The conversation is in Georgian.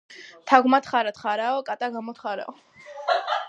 თაგვმა თხარა თხაარა კატა გამოთხარა